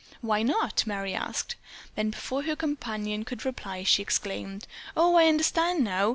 "Why not?" Merry asked; then before her companion could reply, she exclaimed: "Oh, I understand now!